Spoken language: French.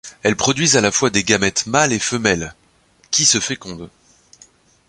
Elles produisent à la fois des gamètes mâles et femelles, qui se fécondent.